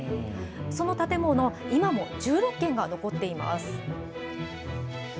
その建物、今も１６軒が残っています。